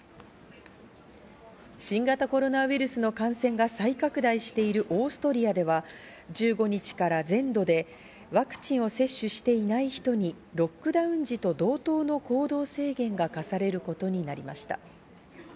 新型コロナウイルスの感染が再拡大しているオーストリアでは１５日から全土でワクチンを接種していない人にロックダウン時と同等の行動制限が課されることになりました。